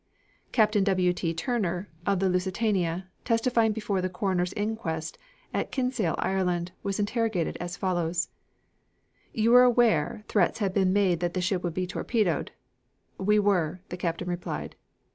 Captain W. T. Turner, of the Lusitania, testifying before the coroner's inquest at Kinsale, Ireland, was interrogated as follows: "You were aware threats had been made that the ship would be torpedoed?" "We were," the Captain replied.